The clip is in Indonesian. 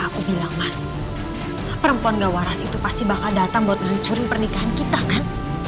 aku bilang mas perempuan gak waras itu pasti bakal datang buat ngancurin pernikahan kita kan